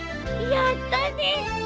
やったね。